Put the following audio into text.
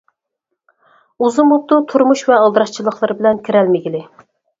ئۇزۇن بوپتۇ تۇرمۇش ۋە. ئالدىراشچىلىقلىرى بىلەن كىرەلمىگىلى.